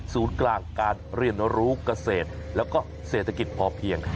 ศูนย์กลางการเรียนรู้เกษตรแล้วก็เศรษฐกิจพอเพียง